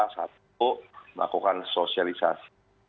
dan juga melakukan sosialisasi